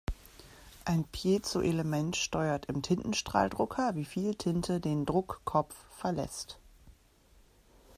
Ein Piezoelement steuert im Tintenstrahldrucker, wie viel Tinte den Druckkopf verlässt.